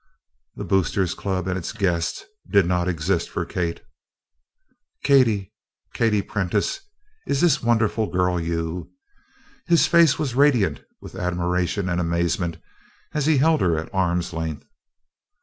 The Boosters' Club and its guests did not exist for Kate. "Katie Katie Prentice, is this wonderful girl you?" His face was radiant with admiration and amazement as he held her at arms' length.